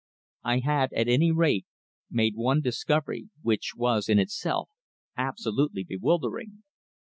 I had, at any rate, made one discovery, which was in itself absolutely bewildering.